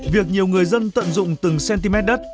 việc nhiều người dân tận dụng từng cm đất